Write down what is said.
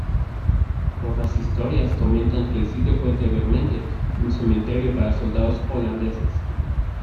Otras historias comentan que el sitio fue anteriormente un cementerio para soldados holandeses.